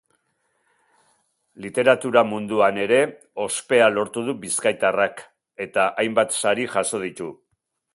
Literatura munduan ere ospea lortu du bizkaitarrak, eta hainbat sari jaso ditu.